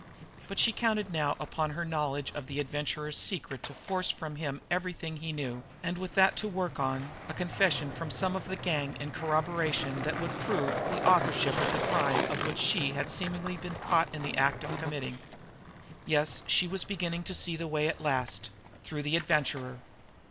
But she counted now upon her knowledge of the Adventurer's secret to force from him everything he knew; and, with that to work on, a confession from some of the gang in corroboration that would prove the authorship of the crime of which she had seemingly been caught in the act of committing. Yes, she was beginning to see the way at last through the Adventurer.